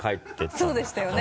そうでしたよね